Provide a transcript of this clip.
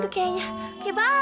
kreatif tuh kayaknya